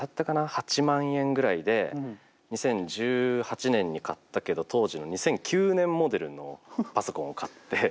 ８万円ぐらいで２０１８年に買ったけど当時の２００９年モデルのパソコンを買って。